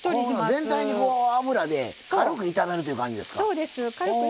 全体に油で軽く炒めるという感じですか。